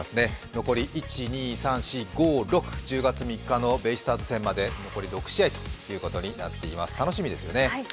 残り１０月３日のベイスターズ戦まで残り６試合ということになっています、楽しみですね。